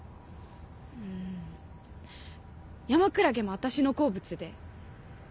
うん山クラゲも私の好物で。